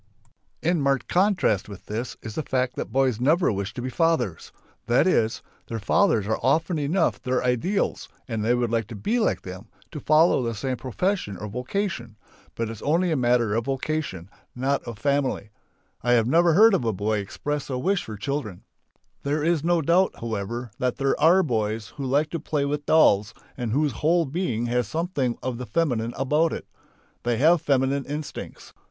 In marked contrast with this is the fact that boys never wish to be fathers. That is: their fathers are often enough their ideals and they would like to be like them, to follow the same profession or vocation. But it's only a matter of vocation, not of family. I have never yet heard a boy express a wish for children. There is no doubt however, that there are boys who like to play with dolls and whose whole being has something of the feminine about it. They have feminine instincts.